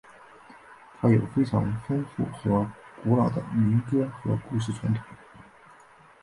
它有非常丰富和古老的民歌和故事传统。